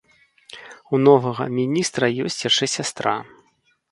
У новага міністра ёсць яшчэ сястра.